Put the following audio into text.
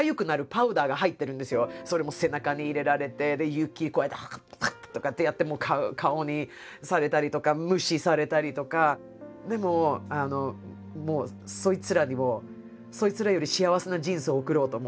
雪こうやってペッとかってやって顔にされたりとかでもそいつらにそいつらより幸せな人生を送ろうと思って。